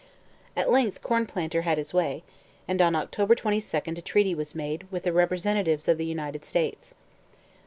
At length Cornplanter had his way, and on October 22 a treaty was made with the representatives of the United States.